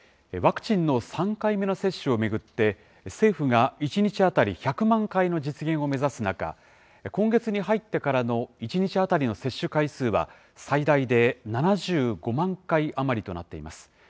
ワクチンの３回目の接種を巡って、政府が１日当たり１００万回の実現を目指す中、今月に入ってからの１日当たりの接種回数は、最大で７５万回余りとなっています。